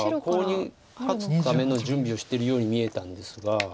コウに勝つための準備をしてるように見えたんですが。